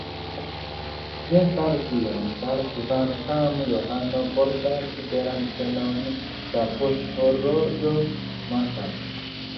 Ne faru tion, ĉar kvankam Johano portas belan ĉenon, la poŝhorloĝo mankas.